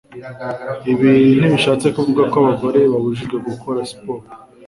Ibi ntibishatse kuvuga ko abagore babujijwe gukora siporo